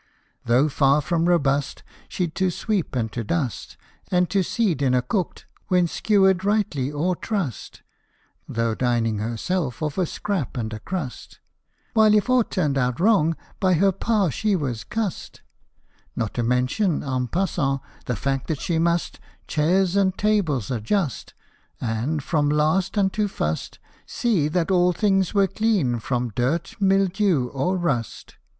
Though far from robust, she 'd to sweep and to dust, And to see dinner cooked, when skewered rightly or trussed, (Though dining herself off a scrap and a crust, While if aught turned out wrong by her pa she was cussed) Not to mention, en passant, the fact that she must Chairs and tables adjust ; and, from last unto fust, See that all things were clean from dirt, mildew, or rust.